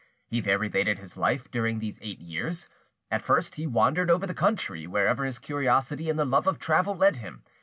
He there related his life during these eight years. At first he wandered over the country, wherever his curiosity and the love of travel led him.